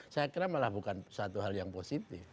saya kira malah bukan satu hal yang positif